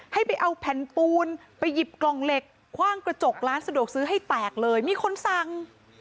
ให้ไปเอาแผ่นปูนไปหยิบกล่องเหล็กคว่างกระจกร้านสะดวกซื้อให้แตกเลยมีคนสั่ง